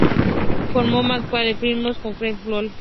Formó Murakami-Wolf Films con Fred Wolf.